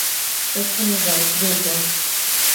এক্ষুনি যাও, দ্রুত।